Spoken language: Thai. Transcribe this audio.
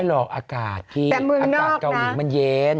หลอกอากาศพี่อากาศเกาหลีมันเย็น